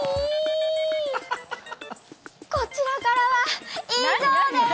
こちらからは以上でーす。